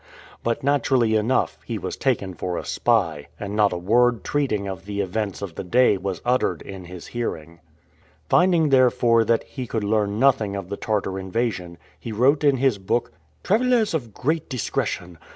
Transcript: But, naturally enough, he was taken for a spy, and not a word treating of the events of the day was uttered in his hearing. Finding, therefore, that he could learn nothing of the Tartar invasion, he wrote in his book, "Travelers of great discretion.